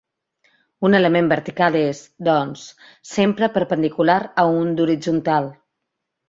Un element vertical és, doncs, sempre perpendicular a un d'horitzontal.